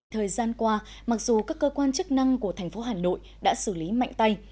thời gian qua mặc dù các cơ quan chức năng của thành phố hà nội đã xử lý mạnh tay